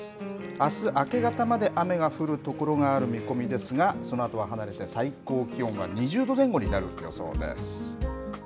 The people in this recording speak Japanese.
あす明け方まで雨が降る所がある見込みですが、そのあとは晴れて、最高気温は２０度前後になる予想です。